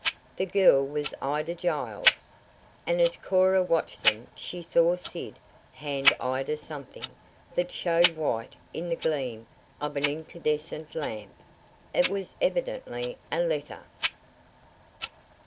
The girl was Ida Giles, and as Cora watched them she saw Sid hand Ida something that showed white in the gleam of an incandescent lamp. It was evidently a letter.